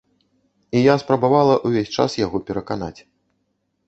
І я спрабавала ўвесь час яго пераканаць.